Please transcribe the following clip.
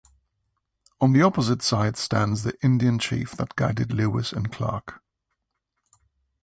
On the opposite side stands the Indian Chief that guided Lewis and Clark.